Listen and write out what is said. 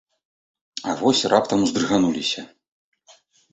А вось раптам уздрыгануліся.